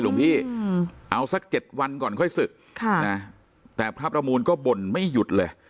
หลวงพี่เอาสัก๗วันก่อนค่อยศึกแต่พระประมูลก็บ่นไม่หยุดเลย